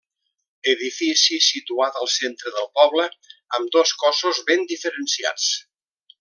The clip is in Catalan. Edifici situat al centre del poble, amb dos cossos ben diferenciats.